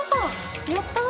やったー。